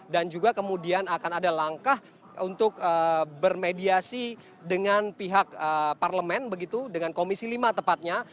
dan juga kemudian akan ada langkah untuk bermediasi dengan pihak parlemen begitu dengan komisi lima tepatnya